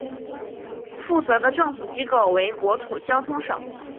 负责的政府机构为国土交通省。